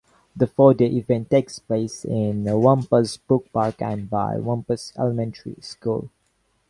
The four-day event takes place in Wampus Brook Park and by Wampus Elementary School.